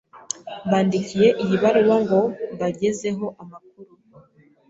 mbandikiye iyi baruwa ngo mbagezeho amakuru